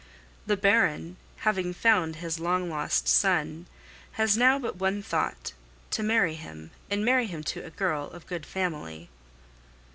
The Baron, having found his long lost son, has now but one thought, to marry him, and marry him to a girl of good family.